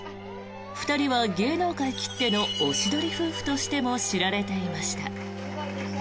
２人は芸能界きってのおしどり夫婦としても知られていました。